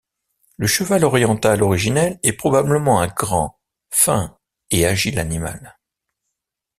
Le cheval oriental originel est probablement un grand, fin et agile animal.